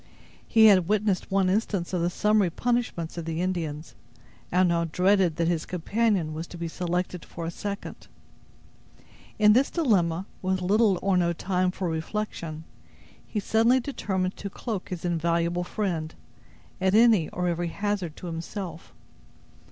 He had witnessed one instance of the summary punishments of the Indians, and now dreaded that his companion was to be selected for a second. In this dilemma, with little or no time for reflection, he suddenly determined to cloak his invaluable friend, at any or every hazard to himself.